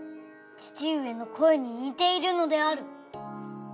父上の声に似ているのである！